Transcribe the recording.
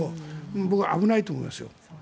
僕は危ないと思いますよ。